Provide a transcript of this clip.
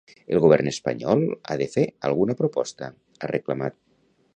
El govern espanyol ha de fer alguna proposta, ha reclamat.